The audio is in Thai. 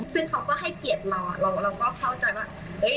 ซึ่งเขาก็ให้เกียรติเราเราก็เข้าใจว่า